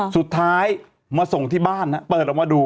สุดท้ายมาส่งที่บ้านเปิดออกมาดู